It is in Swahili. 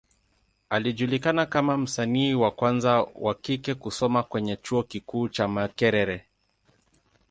Alijulikana kama msanii wa kwanza wa kike kusoma kwenye Chuo kikuu cha Makerere.